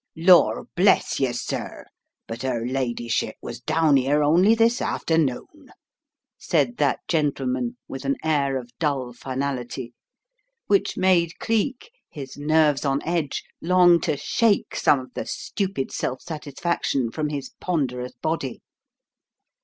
"Lor bless yer, sir, but *er ladyship was down 'ere only this afternoon," said that gentleman with an air of dull finality, which made Cleek, his nerves on edge, long to shake some of the stupid self satis faction from his ponderous body.